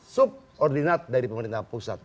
subordinat dari pemerintah pusat